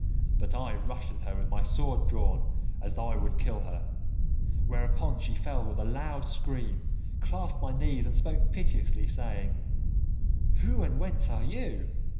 "But I rushed at her with my sword drawn as though I would kill her, whereon she fell with a loud scream, clasped my knees, and spoke piteously, saying, 'Who and whence are you?